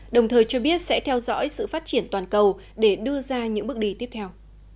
đồng thời cho biết sẽ theo dõi sự phát triển toàn cầu để đưa ra những bước đi tiếp theo